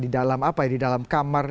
di dalam kamar